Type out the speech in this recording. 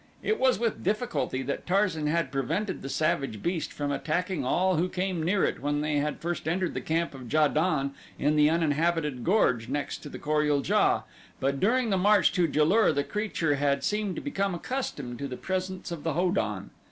It was with difficulty that Tarzan had prevented the savage beast from attacking all who came near it when they had first entered the camp of Ja don in the uninhabited gorge next to the Kor ul JA, but during the march to Ja lur the creature had seemed to become accustomed to the presence of the Ho don.